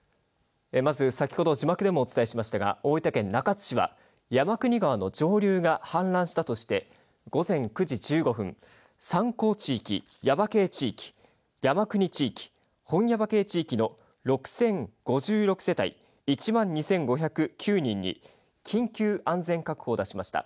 まず先ほど字幕でもお伝えしましたが大分県中津市は山国川の上流が氾濫したとして午前９時１５分、三光地域、耶馬渓地域、山国地域、本耶馬渓地域の６０５６世帯１万２５０９人に緊急安全確保を出しました。